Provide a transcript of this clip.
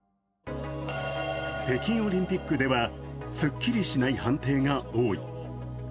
北京オリンピックでは、すっきりしない判定が多い。